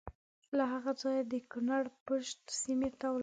له هغه ځایه د کنړ پَشَت سیمې ته ولاړم.